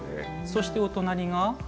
そして、お隣が。